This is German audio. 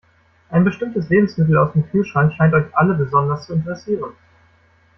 Ein bestimmtes Lebensmittel aus dem Kühlschrank scheint euch alle besonders zu interessieren.